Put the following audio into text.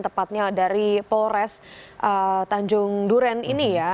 tepatnya dari polres tanjung duren ini ya